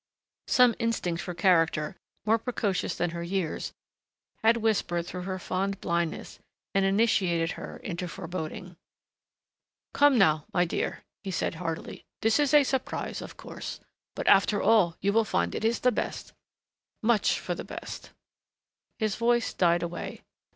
Some instinct for character, more precocious than her years, had whispered through her fond blindness, and initiated her into foreboding. "Come now, my dear," he said heartily, "this is a surprise, of course, but after all you will find it is for the best much for the best " His voice died away.